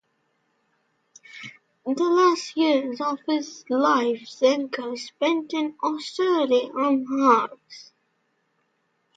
The last years of his life Zenker spent in Osterode am Harz.